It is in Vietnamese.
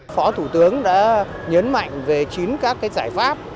phó thủ tướng đã nhấn mạnh về chín các giải pháp